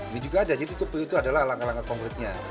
ini juga ada jadi itu adalah langkah langkah konkretnya